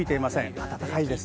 暖かいです。